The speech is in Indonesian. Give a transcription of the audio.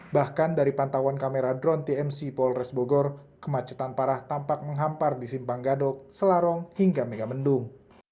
bahkan dari pantauan kamera drone tmc polres bogor kemacetan parah tampak menghampar di simpang gadok selarong hingga megamendung